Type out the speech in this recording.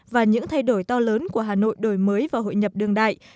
và những thay đổi to lớn của hà nội đổi mới vào hội nhập đương đại